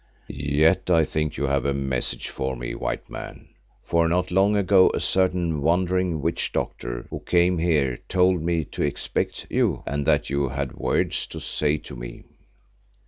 "Yet I think you have a message for me, White Man, for not long ago a certain wandering witch doctor who came here told me to expect you and that you had words to say to me."